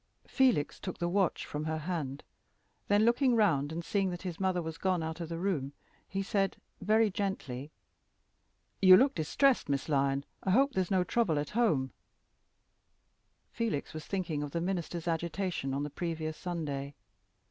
Felix took the watch from her hand; then, looking round and seeing that his mother was gone out of the room, he said, very gently "You look distressed, Miss Lyon. I hope there is no trouble at home" (Felix was thinking of the minister's agitation on the previous Sunday).